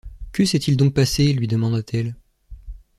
Que s’est-il donc passé? lui demanda-t-elle.